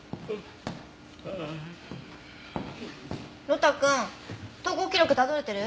呂太くん投稿記録たどれてる？